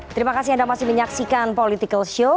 terima kasih anda masih menyaksikan political show